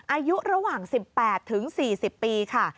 อายุระหว่าง๑๘๔๐ปีค่ะ